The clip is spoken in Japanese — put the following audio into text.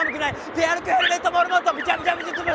ペアルックヘルメットモルモットびちゃびちゃ美術部